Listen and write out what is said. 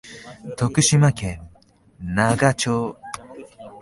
徳島県那賀町